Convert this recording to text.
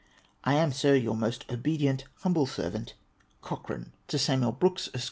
I am, Sir, your most obedient, humble servant, Cochrane. To Samuel Brooks, Esq.